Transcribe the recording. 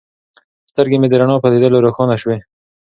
سترګې مې د رڼا په لیدلو روښانه شوې.